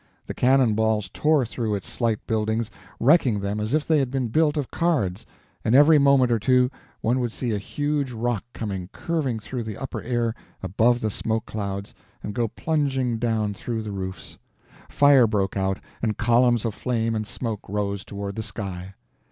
The cannon balls tore through its slight buildings, wrecking them as if they had been built of cards; and every moment or two one would see a huge rock come curving through the upper air above the smoke clouds and go plunging down through the roofs. Fire broke out, and columns of flame and smoke rose toward the sky.